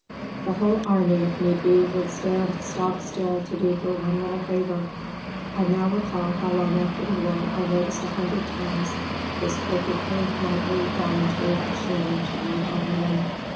The whole army if need be, would stand stock still to do her one little favor. I now recall how long after the war I noticed a hundred times this perfectly knightly gallantry of Sherman toward all women.